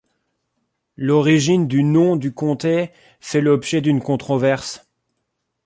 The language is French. L'origine du nom du comté fait l'objet d'une controverse.